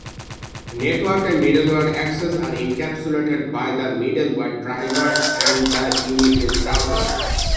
Network and middleware access are encapsulated by the middleware drivers and the Uniface Router.